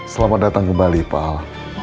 selamat datang kembali pak